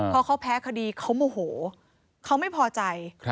พอเขาแพ้คดีเขาโมโหเขาไม่พอใจ